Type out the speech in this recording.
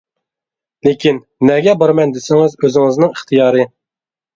لېكىن نەگە بارىمەن دېسىڭىز ئۆزىڭىزنىڭ ئىختىيارى.